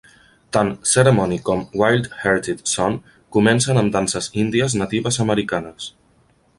Tant "Ceremony" com "Wild Hearted Son" comencen amb danses índies natives americanes.